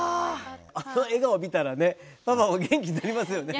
あの笑顔見たらねパパも元気になりますよね。